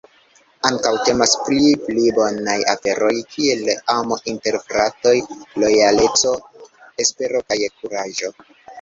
Ankaŭ temas pri pli bonaj aferoj kiel amo inter fratoj, lojaleco, espero kaj kuraĝo.